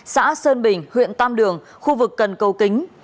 xã sơn bình huyện tam đường khu vực cần cầu kính